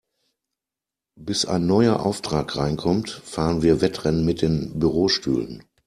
Bis ein neuer Auftrag reinkommt, fahren wir Wettrennen mit den Bürostühlen.